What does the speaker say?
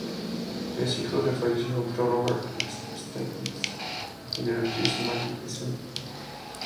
Es hijo del fallecido actor Robert Stephens y de la actriz Maggie Smith.